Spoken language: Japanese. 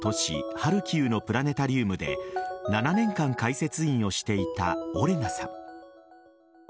ハルキウのプラネタリウムで７年間、解説員をしていたオレナさん。